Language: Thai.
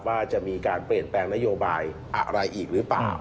ว่าจะมีการเปลี่ยนแปลงนโยบายอะไรอีกหรือเปล่า